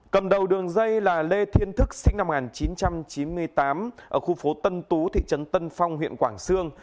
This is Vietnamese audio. cầm đầu đường dây là lê thiên thức sinh năm một nghìn chín trăm chín mươi tám ở khu phố tân tú thị trấn tân phong huyện quảng sương